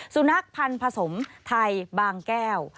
สุนัขพันธ์ผสมไทยบางแก้ว